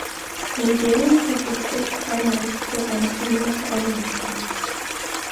Maydena has a state primary school and a community online centre.